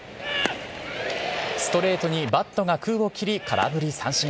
ストレートにバットが空を切り空振り三振。